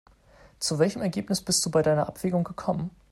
Zu welchem Ergebnis bist du bei deiner Abwägung gekommen?